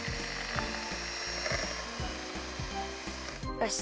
よし！